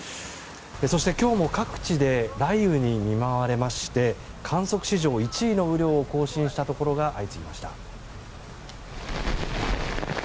そして、今日も各地で雷雨に見舞われまして観測史上１位の雨量を更新したところが相次ぎました。